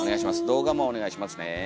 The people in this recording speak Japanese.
動画もお願いしますね。